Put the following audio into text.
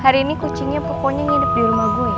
hari ini kucingnya pokoknya ngidip di rumah gue ya